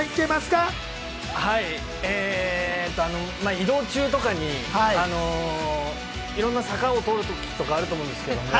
移動中とかにいろんな坂を通る時とかあると思うんですよ。